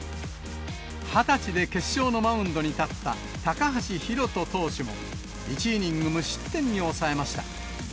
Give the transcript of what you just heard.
２０歳で決勝のマウンドに立った高橋宏斗投手も、１イニング無失点に抑えました。